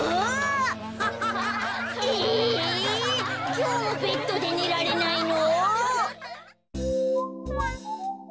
きょうもベッドでねられないの？